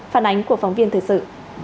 phản ánh của phóng viên thời sự